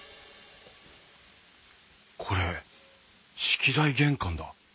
これ式台玄関だ。